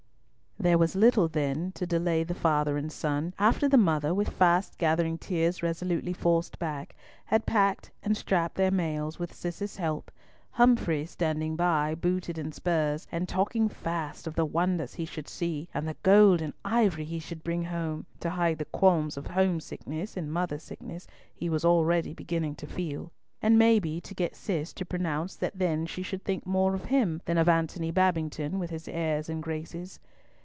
There was then little to delay the father and son, after the mother, with fast gathering tears resolutely forced back, had packed and strapped their mails, with Cis's help, Humfrey standing by, booted and spurred, and talking fast of the wonders he should see, and the gold and ivory he should bring home, to hide the qualms of home sickness, and mother sickness, he was already beginning to feel; and maybe to get Cis to pronounce that then she should think more of him than of Antony Babington with his airs and graces.